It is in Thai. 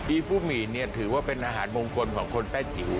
ฟูหมีนถือว่าเป็นอาหารมงคลของคนแป้จิ๋ว